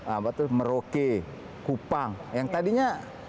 apa itu meroke kupang yang tadinya